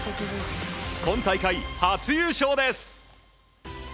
今大会初優勝です。